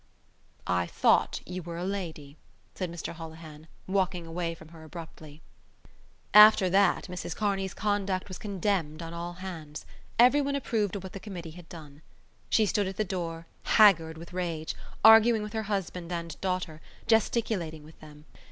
"I thought you were a lady," said Mr Holohan, walking away from her abruptly. After that Mrs Kearney's conduct was condemned on all hands: everyone approved of what the Committee had done. She stood at the door, haggard with rage, arguing with her husband and daughter, gesticulating with them.